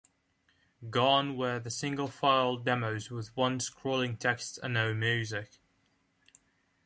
Gone were the single file demos with one scrolling text and no music.